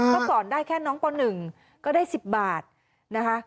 เมื่อก่อนได้แค่น้องป๑ก็ได้๑๐บาทนะคะ